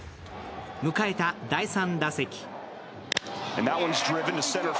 迎えた第３打席。